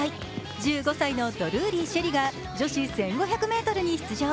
１５歳のドルーリー朱瑛里が女子１５００ｍに出場。